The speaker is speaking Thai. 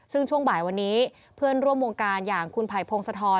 ซึ่งช่วงบ่ายวันนี้เพื่อนร่วมวงการอย่างคุณไผ่พงศธร